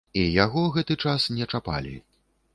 І яго гэты час не чапалі.